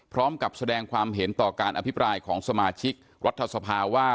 พร้อมกับแสดงความเห็นต่อการอภิปรายของสมาชิกรัฐสภาว่า